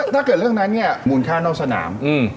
ถ้าเกิดเรื่องเงินนี้หมุนค่านอกสนาม